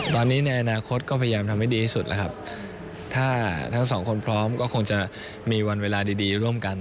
ตอนนี้ในอนาคตก็พยายามทำให้ดีที่สุดแล้วครับถ้าทั้งสองคนพร้อมก็คงจะมีวันเวลาดีร่วมกัน